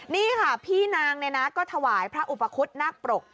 นี่ค่ะพี่นางถวายพระอุปคุฎน่ากปรก